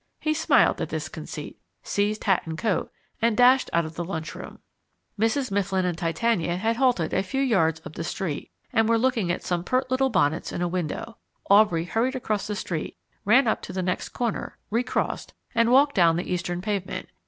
He smiled at this conceit, seized hat and coat, and dashed out of the lunchroom. Mrs. Mifflin and Titania had halted a few yards up the street, and were looking at some pert little bonnets in a window. Aubrey hurried across the street, ran up to the next corner, recrossed, and walked down the eastern pavement.